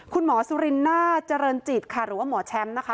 คุณหมอสุรินน่าเจริญจิตค่ะหรือว่าหมอแชมป์นะคะ